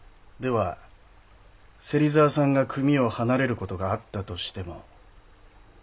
では芹沢さんが組を離れる事があったとしても？